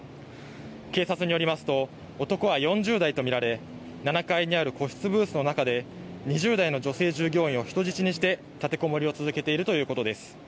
警察によりますと男は４０代と見られ７階にある個室ブースの中で２０代の女性従業員を人質にして立てこもりを続けているということです。